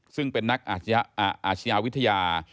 ซึ่งเป็นนักอาชญาวิทยา